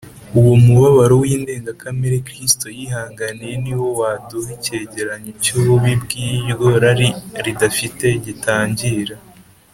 . Uwo mubabaro w’indenga kamere Kristo yihanganiye ni wo waduha ikigereranyo cy’ububi bw’iryo rari ridafite gitangira